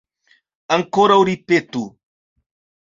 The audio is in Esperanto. Ankoraŭ ripetu.